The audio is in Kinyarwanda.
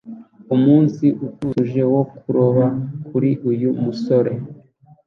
Umunsi utuje wo kuroba kuri uyu musore